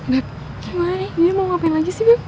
beb gimana nih dia mau ngapain lagi sih beb